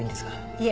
いえ。